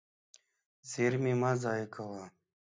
زېرمې مه ضایع کوه.